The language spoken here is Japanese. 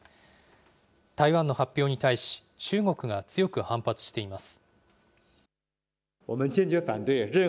台湾の発表に対し、中国が強く反発しています。